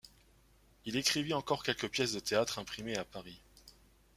Il écrivit encore quelques pièces de théâtre imprimées à Paris.